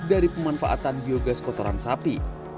dari pemanfaatan biogas kotoran sapi